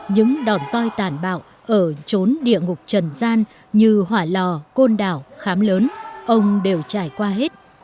những đòn roi tàn bạo ở trốn địa ngục trần gian như hỏa lò côn đảo khám lớn ông đều trải qua hết